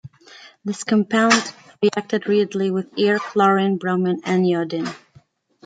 This compound reacted readily with air, chlorine, bromine and iodine.